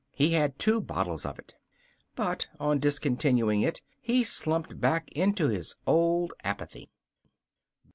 He had two bottles of it. But on discontinuing it he slumped back into his old apathy.